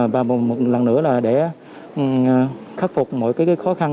và một lần nữa là để khắc phục mọi khó khăn